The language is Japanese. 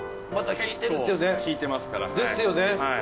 結構利いてますから。ですよね。